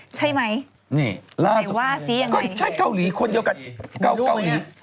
ใช่ไหมใครว่าสิยังไงนี่ล่าสุดท้ายใช่เกาหลีคนเดียวกับเกาหลี